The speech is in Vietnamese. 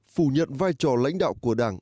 phủ nhận vai trò lãnh đạo của đảng